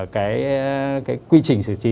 cái quy trình sử trí